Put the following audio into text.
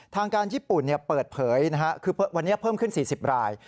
ทางการญี่ปุ่นเปิดเผยคือวันนี้เพิ่มขึ้น๔๐ราย